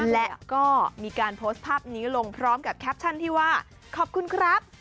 และก็มีการโพสต์ภาพนี้ลงพร้อมกับแคปชั่นที่ว่าขอบคุณครับ